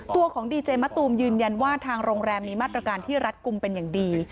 ตัวของดีเจมะตูมยืนยันว่าทางโรงแรมมีมาตรการที่รัฐกลุ่มเป็นอย่างดี